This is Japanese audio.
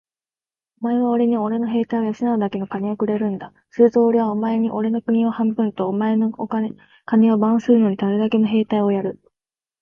お前はおれにおれの兵隊を養うだけ金をくれるんだ。するとおれはお前におれの国を半分と、お前の金を番するのにたるだけの兵隊をやる。